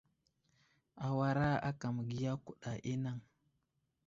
Awara aka məgiya kuɗa i anaŋ.